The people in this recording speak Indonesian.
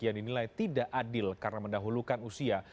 yang dinilai tidak adil karena mendahulukan usia